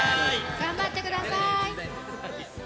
頑張ってください。